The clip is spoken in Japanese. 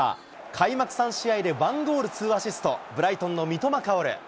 開幕３試合で１ゴール２アシスト、ブライトンの三笘薫。